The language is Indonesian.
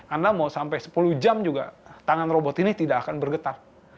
anda mau sampai sepuluh jam juga tangan robot ini tidak akan bergetar